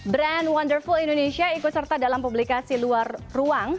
brand wonderful indonesia ikut serta dalam publikasi luar ruang